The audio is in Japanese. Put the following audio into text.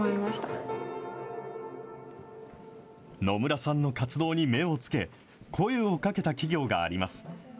野村さんの活動に目をつけ、声をかけた企業があります。